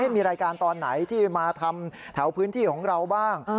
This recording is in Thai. มีรายการตอนไหนที่มาทำแถวพื้นที่ของเราบ้าง